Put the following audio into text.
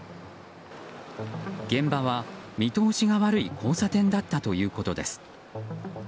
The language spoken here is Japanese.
現場は、見通しが悪い交差点だったということです。